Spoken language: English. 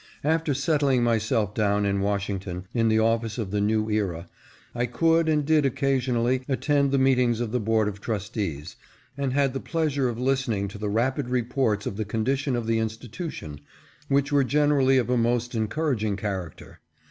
After settling myself down in Washington in the office of the New Era, I could and did occasionally attend the meetings of the Board of Trustees, and had the pleasure of listening to the rapid reports of the condition of the institution, which were generally of a most encouraging character.